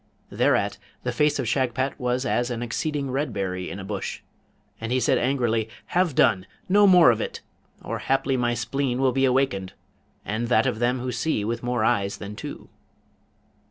Thereat the face of Shagpat was as an exceeding red berry in a bush, and he said angrily, 'Have done! no more of it! or haply my spleen will be awakened, and that of them who see with more eyes than two.'